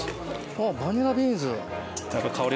あっバニラビーンズ。